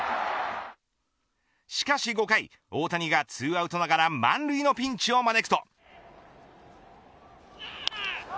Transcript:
しかし５回大谷が２アウトながら満塁のピンチを招くと。